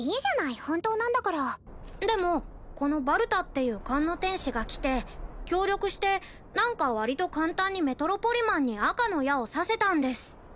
じゃない本当なんだからでもこのバルタっていう勘の天使が来て協力して何かわりと簡単にメトロポリマンに赤の矢を刺せたんです